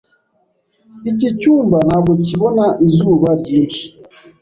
Iki cyumba ntabwo kibona izuba ryinshi.